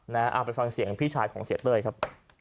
เอาไปฟังเสียงพี่ชายของเสียเต้ยครับ